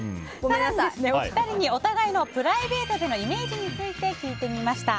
更に、お二人にお互いのプライベートでのイメージについて聞いてみました。